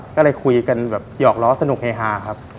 ก็เลยคุยกันแบบหยอกล้อสนุกเฮฮาครับ